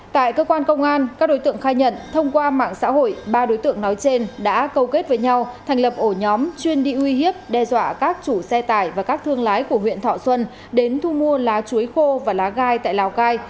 tại cơ quan công an các đối tượng khai nhận thông qua mạng xã hội ba đối tượng nói trên đã câu kết với nhau thành lập ổ nhóm chuyên đi uy hiếp đe dọa các chủ xe tải và các thương lái của huyện thọ xuân đến thu mua lá chuối khô và lá gai tại lào cai